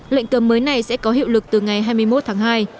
lệnh cấm mới này sẽ có hiệu lực từ ngày hai mươi một tháng hai